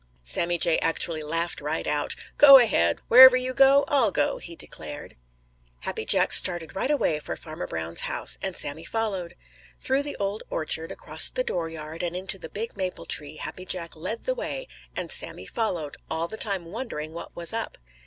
Sammy Jay actually laughed right out. "Go ahead. Wherever you go, I'll go," he declared. Happy Jack started right away for Farmer Brown's house, and Sammy followed. Through the Old Orchard, across the dooryard and into the big maple tree Happy Jack led the way, and Sammy followed, all the time wondering what was up.